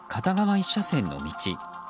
１車線の道。